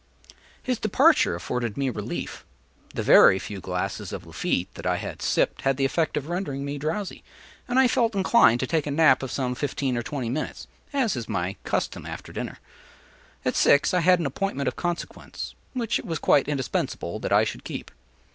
” His departure afforded me relief. The very few glasses of Lafitte that I had sipped had the effect of rendering me drowsy, and I felt inclined to take a nap of some fifteen or twenty minutes, as is my custom after dinner. At six I had an appointment of consequence, which it was quite indispensable that I should keep.